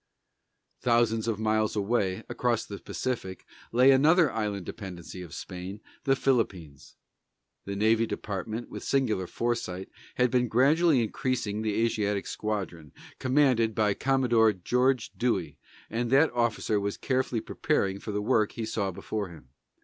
Thousands of miles away, across the Pacific, lay another island dependency of Spain, the Philippines. The Navy Department, with singular foresight, had been gradually increasing the Asiatic squadron, commanded by Commodore George Dewey, and that officer was carefully preparing for the work he saw before him.